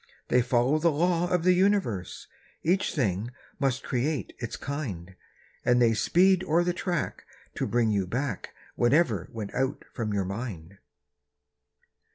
They follow the law of the universe— Each thing must create its kind; And they speed o'er the track to bring you back Whatever went out from your mind.